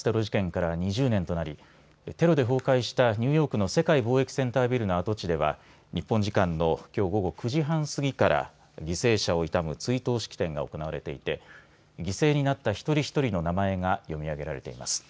お伝えしていますようにアメリカ同時多発テロから２０年となりテロで崩壊したニューヨークの世界貿易センタービルの跡地では日本時間のきょう午後９時半過ぎから犠牲者を悼む追悼式典が行われていて犠牲になった一人一人の名前が読み上げられています。